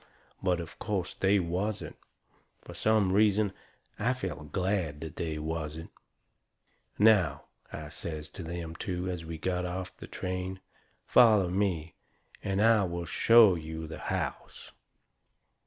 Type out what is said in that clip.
But, of course, they wasn't. Fur some reason I felt glad they wasn't. "Now," I says to them two, as we got off the train, "foller me and I will show you the house."